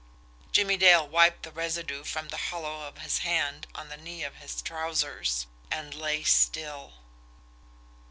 Jimmie Dale wiped the residue from the hollow of his hand on the knee of his trousers and lay still.